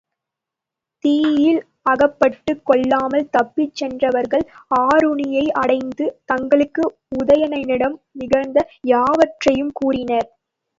தீயில் அகப்பட்டுக் கொள்ளாமல் தப்பிச் சென்றவர்கள் ஆருணியை அடைந்து, தங்களுக்கு உதயணனிடம் நிகழ்ந்த யாவற்றையும் கூறினர்.